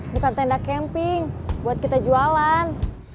bukan tenda camping buat kita jualan